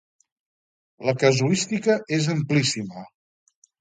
La casuística és amplíssima.